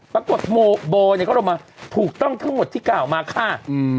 โบเนี่ยเขาลงมาถูกต้องทั้งหมดที่กล่าวมาค่ะ